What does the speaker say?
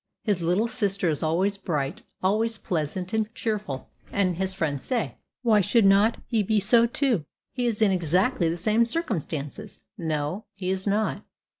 His little sister is always bright, always pleasant and cheerful; and his friends say, "Why should not he be so too? He is in exactly the same circumstances." No, he is not.